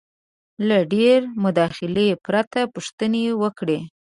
-له ډېرې مداخلې پرته پوښتنې وکړئ: